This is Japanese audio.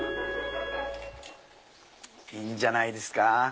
いいんじゃないですか？